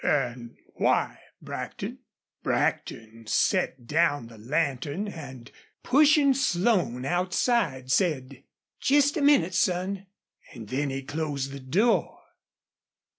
"An' why, Brackton?" Brackton set down the lantern and, pushing Slone outside, said: "Jest a minnit, son," and then he closed the door.